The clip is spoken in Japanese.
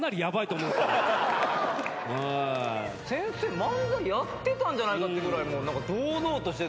先生漫才やってたんじゃないかってぐらい堂々としてて。